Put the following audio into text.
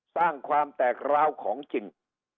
สร้างความแตกร้าวของจริง